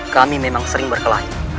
kami memang sering berkelahi